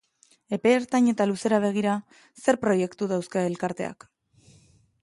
Epe ertain eta luzera begira, zer proiektu dauzka elkarteak?